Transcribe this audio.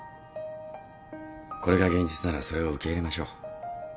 これが現実ならそれを受け入れましょう。